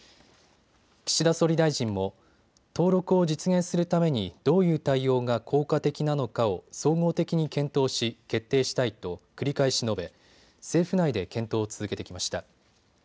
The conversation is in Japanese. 岸田総理大臣も登録を実現するためにどういう対応が効果的なのかを総合的に検討し、決定したいと繰り返し述べ政府内で検討を続けてきました。